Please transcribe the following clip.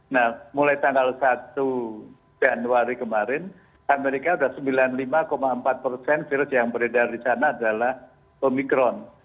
nah mulai tanggal satu januari kemarin amerika sudah sembilan puluh lima empat persen virus yang beredar di sana adalah omikron